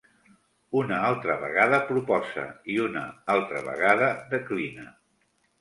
Una altra vegada proposa, i una altra vegada declina.